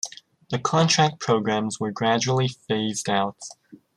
The contract programs were gradually phased out.